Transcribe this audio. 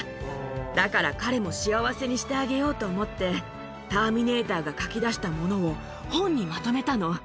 だから、彼も幸せにしてあげようと思って、ターミネーターが書き出したものを本にまとめたの。